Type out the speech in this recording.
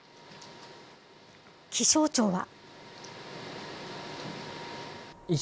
気象庁は。